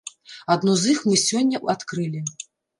Адно з іх мы сёння адкрылі.